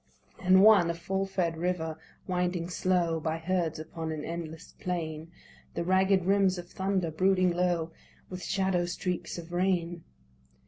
And one, a full fed river winding slow By herds upon an endless plain, The ragged rims of thunder brooding low, With shadow streaks of rain.